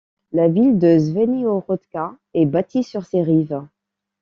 La ville de Zvenyhorodka est bâtie sur ses rives.